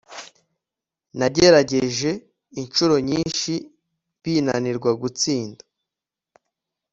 nagerageje inshuro nyinshi binanirwa gutsinda